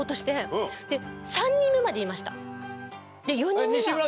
で４人目は。